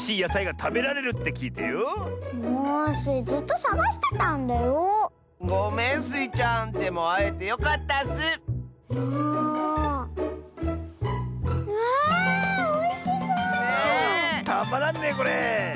たまらんねこれ。